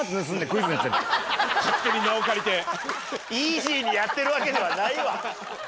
イージーにやってるわけではないわ！